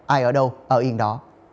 ai ở đâu ở yên đó